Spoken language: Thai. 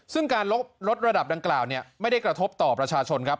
ซึ่งการลดระดับดังกล่าวไม่ได้กระทบต่อประชาชนครับ